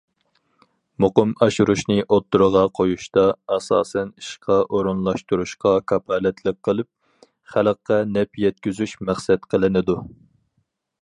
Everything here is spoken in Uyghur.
مۇقىم ئاشۇرۇشنى ئوتتۇرىغا قويۇشتا، ئاساسەن ئىشقا ئورۇنلاشتۇرۇشقا كاپالەتلىك قىلىپ، خەلققە نەپ يەتكۈزۈش مەقسەت قىلىنىدۇ.